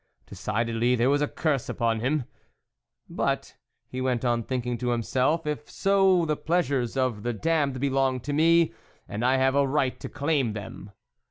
Decidedly there was a curse upon him. 44 But," he went on thinking to himself, 44 if so, the pleasures of the damned belong to me, and I have a right to claim them."